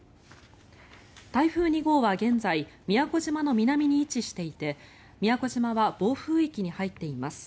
台風２号は現在宮古島の南に位置していて宮古島は暴風域に入っています。